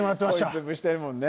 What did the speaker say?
声潰してるもんね